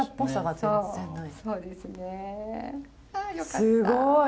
すごい！